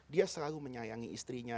dia selalu menyayangi istrinya